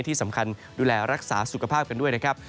ที่สำคัญดูแลรักษาสุขภาพกันด้วยนะครับ